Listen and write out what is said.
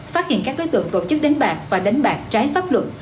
phát hiện các đối tượng tổ chức đánh bạc và đánh bạc trái pháp luật